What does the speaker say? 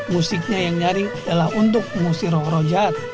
musiknya yang nyaring adalah untuk memusir rog rojahat